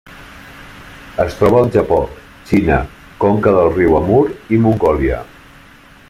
Es troba al Japó, Xina, conca del riu Amur i Mongòlia.